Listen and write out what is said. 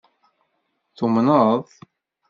Tumneḍ?